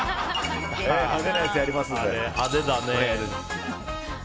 派手なやつやりますんで。